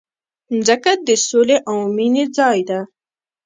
مځکه د سولې او مینې ځای ده.